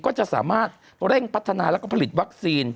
ก็จะสามารถเร่งพัฒนาแล้วก็ผลิตวัคซีน